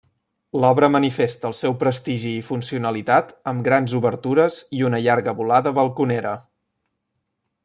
L'obra manifesta el seu prestigi i funcionalitat amb grans obertures i una llarga volada balconera.